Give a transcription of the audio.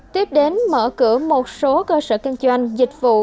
tiếp đến mở cửa một số cơ sở kinh doanh dịch vụ